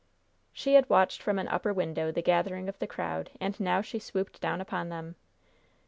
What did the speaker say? She had watched from an upper window the gathering of the crowd, and now she swooped down upon them.